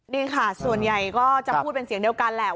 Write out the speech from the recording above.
นี่ค่ะส่วนใหญ่ก็จะพูดเป็นเสียงเดียวกันแหละ